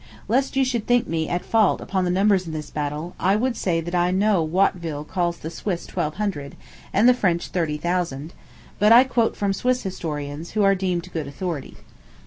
Lest you should think me at fault upon the numbers in this battle, I would say that I know Watteville calls the Swiss twelve hundred, and the French thirty thousand; but I quote from Swiss historians, who are deemed good authority.